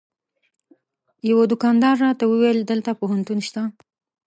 یوه دوکاندار راته وویل دلته پوهنتون شته.